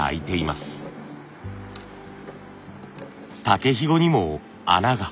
竹ひごにも穴が。